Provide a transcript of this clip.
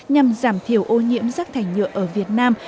nhằm giảm thiểu ô nhiễm rác thải nhựa ở việt nam